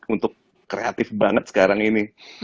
untuk kreatif banget sekarang ini